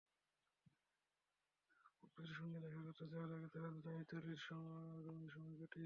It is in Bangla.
পোপের সঙ্গে দেখা করতে যাওয়ার আগে তাঁরা দুজন ইতালির রোমে সময় কাটিয়েছেন।